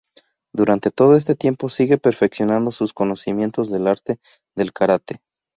Durante todo este tiempo sigue perfeccionando sus conocimientos del Arte del Karate.